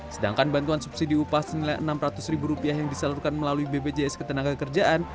sedangkan bantuan subsidi upah senilai rp enam ratus yang disalurkan melalui bpjs ketenaga kerjaan